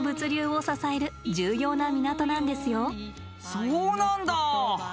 そうなんだ。